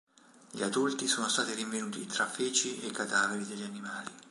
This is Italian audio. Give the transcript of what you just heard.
Gli adulti sono stati rinvenuti tra feci e i cadaveri degli animali.